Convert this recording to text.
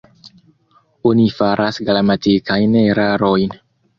Oni faras gramatikajn erarojn.